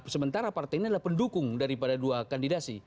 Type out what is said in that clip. sementara partai ini adalah pendukung daripada dua kandidasi